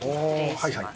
はいはい。